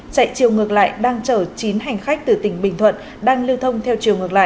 chạy chiều ngược lại đang chở chín hành khách từ tỉnh bình thuận đang lưu thông theo chiều ngược lại